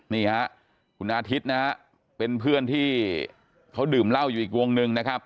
นี่ฮะคุณอาทิตย์นะฮะเป็นเพื่อนที่เขาดื่มเหล้าอยู่อีกวงหนึ่งนะครับ